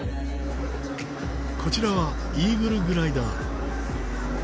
こちらはイーグルグライダー。